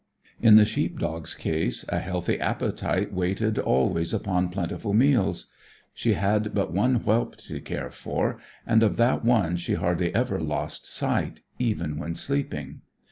In the sheep dog's case, a healthy appetite waited always upon plentiful meals. She had but one whelp to care for, and of that one she hardly ever lost sight, even when sleeping.